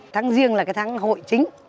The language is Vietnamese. tháng riêng là cái tháng hội chính